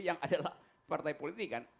yang adalah partai politik kan